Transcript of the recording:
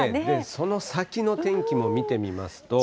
その先の天気も見てみますと。